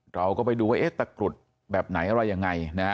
เราก็ไปดูว่าเอ๊ะตะกรุดแบบไหนอะไรยังไงนะฮะ